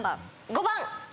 ５番。